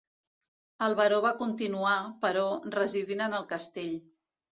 El baró va continuar, però, residint en el castell.